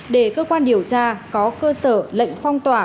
để cơ quan điều tra có cơ sở lệnh phong tỏa